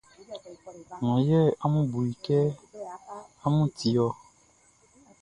Wan yɛ amun bu i kɛ amun ti ɔ?